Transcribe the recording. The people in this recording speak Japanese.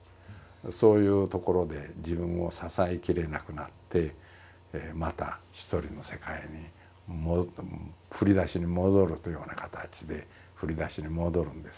そういうところで自分を支えきれなくなってまたひとりの世界に振り出しに戻るというような形で振り出しに戻るんですね。